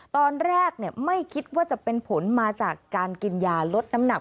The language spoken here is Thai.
ตอนแรกไม่คิดว่าจะเป็นผลมาจากการกินยาลดน้ำหนัก